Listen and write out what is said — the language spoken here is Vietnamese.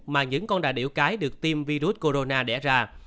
mà những con đà điểu cái được tiêm virus corona đẻ ra